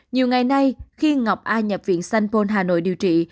nhiều ngày nay khi ngọc a nhập viện sanpôn hà nội điều trị